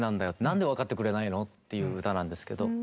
なんで分かってくれないの？っていう歌なんですけど。